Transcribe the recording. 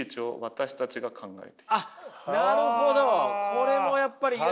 これもやっぱりいや。